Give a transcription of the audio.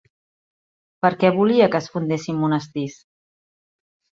Per a què volia que es fundessin monestirs?